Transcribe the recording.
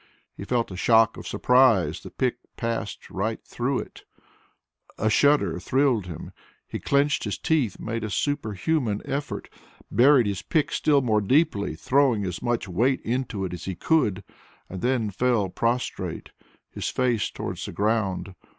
He felt a shock of surprise; the pick passed right through it; a shudder thrilled him; he clenched his teeth, made a superhuman effort, buried his pick still more deeply, throwing as much weight into it as he could, and then fell prostrate, his face towards the ground.